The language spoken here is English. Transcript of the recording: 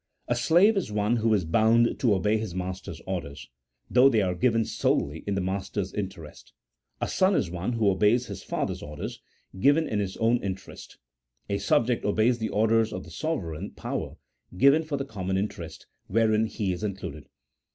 A slave is one who is bound to obey his master's orders, though they are given solely in the master's interest : a son is one who obeys his father's orders, given 1 See Note 27. CHAP. XVI.] OF THE FOUNDATION'S OF A STATE. 207 in his own interest ; a subject obeys the orders of the sove reign power, given for the common interest, wherein he is included.